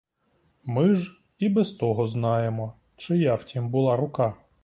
Ми ж і без того знаємо, чия в тім була рука.